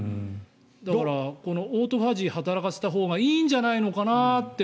だからオートファジーを働かせたほうがいいんじゃないのかなって